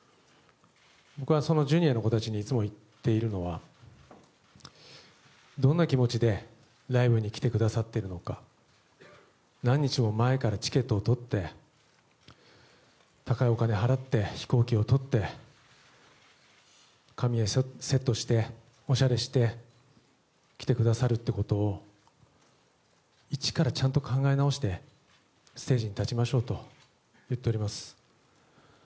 僕がＪｒ．の子たちにいつも言っているのはどんな気持ちでライブに来てくださっているのか何日も前からチケットを取って高いお金を払って飛行機を取って髪をセットして、おしゃれして来てくださるということを一からちゃんと考え直してステージに立ちましょうと言っております。